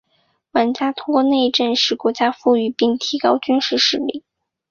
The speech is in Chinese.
玩家通过内政使国家富裕并提高军事实力。